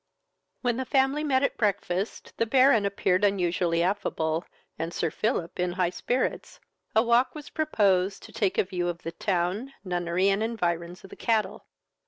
IX. When the family met at breakfast, the Baron appeared unusually affable, and Sir Philip in high spirits. A walk was proposed to take a view of the town, nunnery, and environs of the cattle.